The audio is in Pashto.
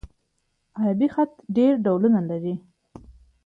عربي خط ډېر ډولونه لري.